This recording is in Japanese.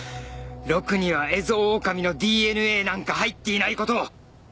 ロクにはエゾオオカミのＤＮＡなんか入っていないことを。